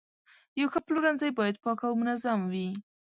یو ښه پلورنځی باید پاک او منظم وي.